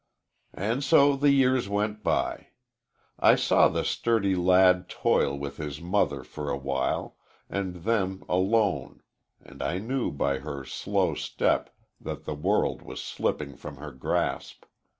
"And so the years went by. I saw the sturdy lad toil with his mother for a while, and then alone, and I knew by her slow step that the world was slipping from her grasp.